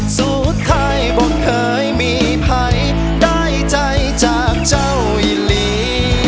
สูตรไทยบ่เคยมีภัยได้ใจจากเจ้าอีหลี